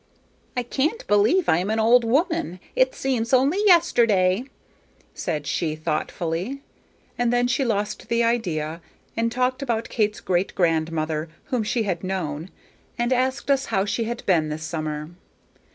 "I can't believe I am an old woman. It seems only yesterday," said she, thoughtfully. And then she lost the idea, and talked about Kate's great grandmother, whom she had known, and asked us how she had been this summer.